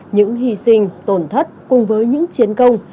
những hy sinh tổn thất cùng với những chiến công